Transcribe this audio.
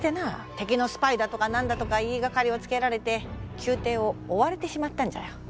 敵のスパイだとか何だとか言いがかりをつけられて宮廷を追われてしまったんじゃよ。